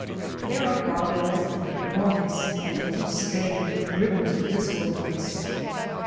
There are barbels and picones, like those of Spain, in the rivers of this wilderness.